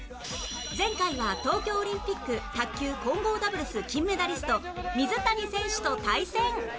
前回は東京オリンピック卓球混合ダブルス金メダリスト水谷選手と対戦！